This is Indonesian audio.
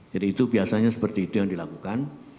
jadi itu biasanya seperti itu yang dilakukan